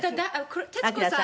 徹子さん